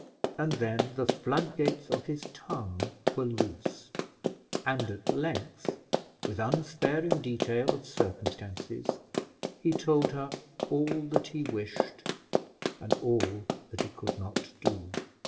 And then the floodgates of his tongue were loosed, and, at length, with unsparing detail of circumstances, he told her all that he wished, and all that he could not do.